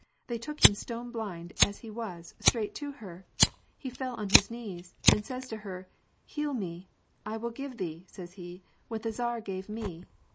They took him stone blind as he was, straight to her ; he fell on his knees, and says to her :* Heal me, I will give thee,' says he, * what the tsar gave me.'